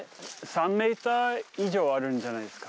３メーター以上あるんじゃないですか？